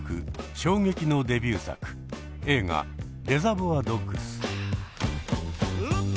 衝撃のデビュー作映画「レザボア・ドッグス」。